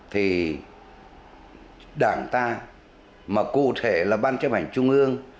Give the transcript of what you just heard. thì đảng ta mà cụ thể là ban chế bản trung ương